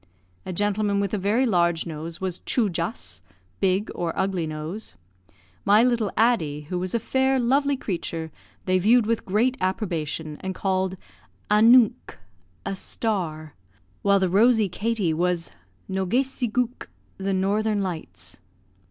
A gentleman with a very large nose was Choojas, "big, or ugly nose." My little Addie, who was a fair, lovely creature, they viewed with great approbation, and called Anoonk, "a star;" while the rosy Katie was Nogesigook, "the northern lights."